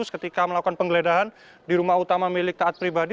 ketika melakukan penggeledahan di rumah utama milik taat pribadi